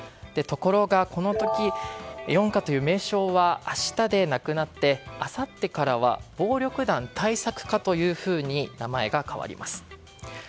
ところがこの時４課という名称は明日でなくなってあさってからは暴力団対策課と名前が変わります。